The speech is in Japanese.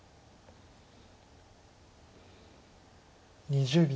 ２０秒。